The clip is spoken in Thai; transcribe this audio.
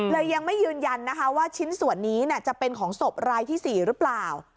ยังไม่ยืนยันนะคะว่าชิ้นส่วนนี้จะเป็นของศพรายที่๔หรือเปล่า